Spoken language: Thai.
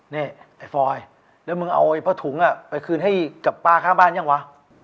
นี่ไอ้ฟอยแล้วมึงเอาผ้าถุงไปคืนให้กับป้าข้างบ้านยังวะ